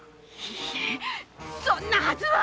いいえそんなはずは。